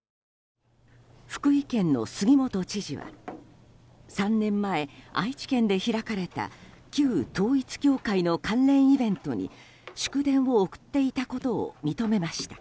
福井県の杉本知事は３年前、愛知県で開かれた旧統一教会の関連イベントに祝電を送っていたことを認めました。